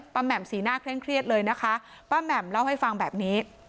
แหม่มสีหน้าเคร่งเครียดเลยนะคะป้าแหม่มเล่าให้ฟังแบบนี้